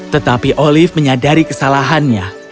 tetapi olive menyadari kesalahannya